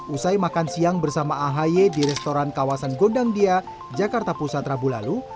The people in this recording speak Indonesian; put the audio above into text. usai makan siang bersama ahy di restoran kawasan gondang dia jakarta pusat rabu lalu